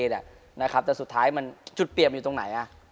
แต่สุดท้ายมันจุดเปลี่ยนอยู่ตรงไหน